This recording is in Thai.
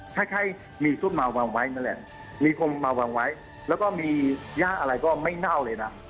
คล้ายมีชุดมาวางไว้นั่นแหละมีคมมาวางไว้แล้วก็มีย่าอะไรก็ไม่เน่าเลยนะ